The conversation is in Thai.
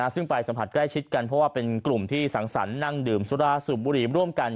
ซึ่งไปสัมผัสใกล้ชิดกันเพราะว่าเป็นกลุ่มที่สังสรรค์นั่งดื่มสุราสูบบุหรี่ร่วมกัน